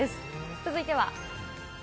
続いては。